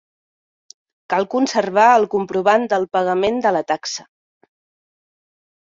Cal conservar el comprovant del pagament de la taxa.